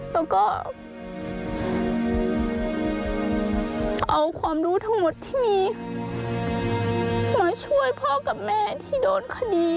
แล้วก็เอาความรู้ทั้งหมดที่มีมาช่วยพ่อกับแม่ที่โดนคดี